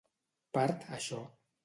Part això.